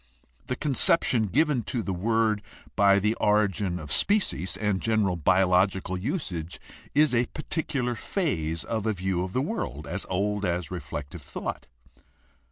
The conception given to the word by the Origin of Species and general bio logical usage is a particular phase of a view of the world as old as reflective thought.